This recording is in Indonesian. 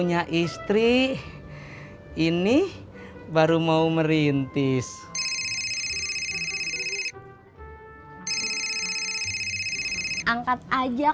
yang ada gamenya ya